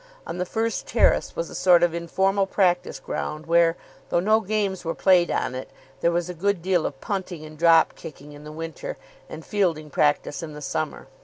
On the first terrace was a sort of informal practice ground, where, though no games were played on it, there was a good deal of punting and drop kicking in the winter and fielding practice in the summer.